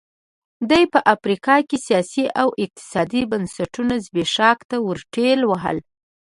دې په افریقا کې سیاسي او اقتصادي بنسټونه زبېښاک ته ورټېل وهل.